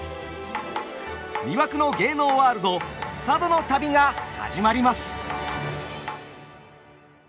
魅惑の芸能ワールド佐渡の旅が始まります。